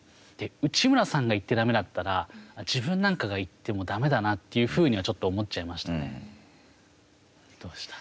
内村さんが言ってだめだったら自分なんかが言ってもだめだなっていうふうにはちょっと思っちゃいどうでした？